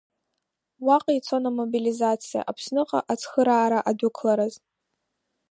Уаҟа ицон амобилизациа, Аԥсныҟа ацхыраара адәықәлараз.